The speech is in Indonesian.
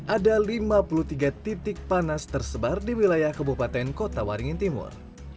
ada lima puluh tiga titik panas tersebar di wilayah kebupaten kota waringin timur